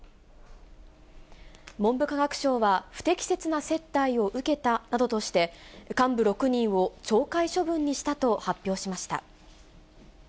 文部科学省は、不適切な接待を受けたなどとして、幹部６人を懲戒処分にしたと発表しました。